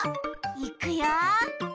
いくよ。